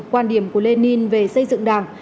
quan điểm của lenin về xây dựng đảng